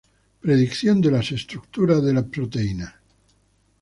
Predicción de la estructura de las proteínas